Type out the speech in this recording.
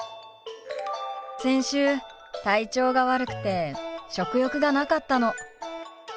先週体調が悪くて食欲がなかったの。